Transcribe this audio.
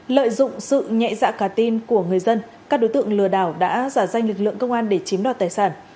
lợi dụng sự nhẹ dạ cả tin của người dân các đối tượng lừa đảo đã giả danh lực lượng công an để chiếm đoạt tài sản